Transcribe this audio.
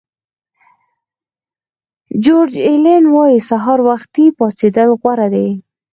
جیورج الین وایي سهار وختي پاڅېدل غوره دي.